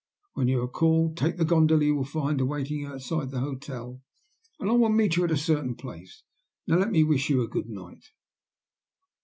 When you are called, take the gondola you will find awaiting you outside the hotel, and I will meet you at a certain place. Now let me wish you a good night."